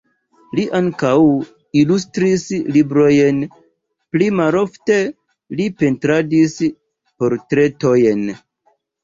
Li ankaŭ ilustris librojn, pli malofte li pentradis portretojn.